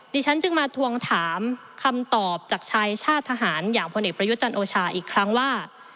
ฉันจึงมาทวงถามคำตอบจากชายชาติทหารอย่างพลเอกประยุทธ์จันทร์โอชาอีกครั้งว่า